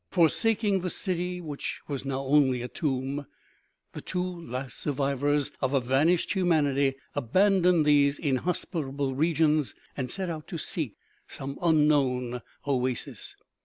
Forsaking the city which was now only a tomb, the two last survivors of a vanished humanity abandoned these inhospitable regions and set out to seek some un known oasis.